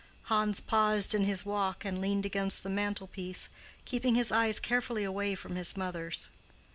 Hans paused in his walk and leaned against the mantel piece, keeping his eyes carefully away from his mother's.